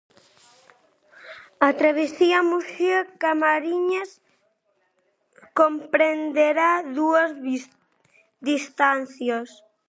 A travesía Muxía-Camariñas, comprenderá dúas distancias.